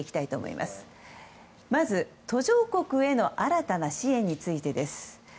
まず、途上国への新たな支援についてです。